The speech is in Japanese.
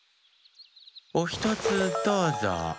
おひとつどうぞ。